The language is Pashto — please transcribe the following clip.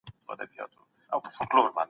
سرحدي امنیت د هر هیواد حق دی.